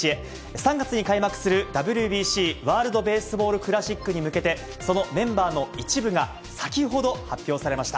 ３月に開幕するＷＢＣ・ワールドベースボールクラシックに向けて、そのメンバーの一部が、先ほど発表されました。